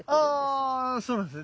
あそうなんですね。